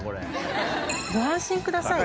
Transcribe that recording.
ご安心ください。